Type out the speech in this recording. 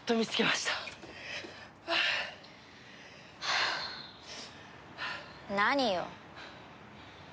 はあ。何よ？